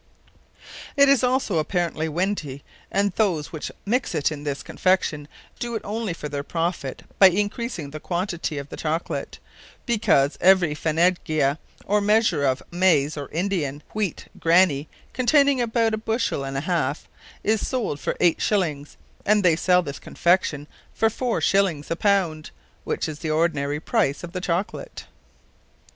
_ It is also apparantly windy; and those which mixe it in this Confection, doe it onely for their profit, by encreasing the quantity of the Chocolate; because every Fanega or measure of [F] Grani containing about a Bushell and a halfe, is sold for eight shillings, and they sell this Confection for foure shillings a pound, which is the ordinary price of the Chocolate.